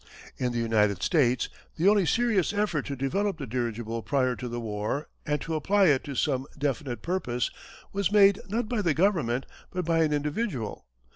In the United States the only serious effort to develop the dirigible prior to the war, and to apply it to some definite purpose, was made not by the government but by an individual.